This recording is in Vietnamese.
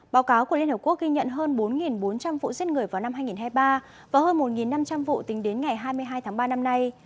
báo cáo của liên hợp quốc ghi nhận hơn bốn bốn trăm linh vụ giết người vào năm hai nghìn hai mươi ba và hơn một năm trăm linh vụ tính đến ngày hai mươi hai tháng ba năm nay